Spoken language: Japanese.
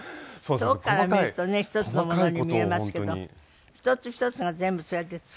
遠くから見るとね一つのものに見えますけど一つ一つが全部そうやって作ってあるんですもんね。